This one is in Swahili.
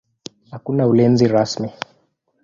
Hakuna ulinzi rasmi.